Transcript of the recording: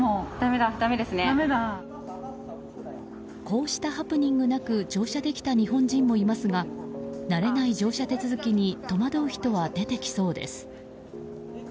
こうしたハプニングなく乗車できた日本人もいますが慣れない乗車手続きに戸惑う人は出てきそうです。